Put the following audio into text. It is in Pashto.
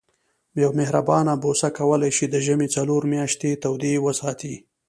یوه مهربانه بوسه کولای شي د ژمي څلور میاشتې تودې وساتي.